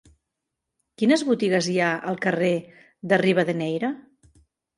Quines botigues hi ha al carrer de Rivadeneyra?